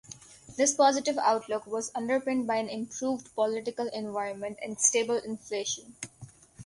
This positive outlook was underpinned by an improved political environment and stable inflation.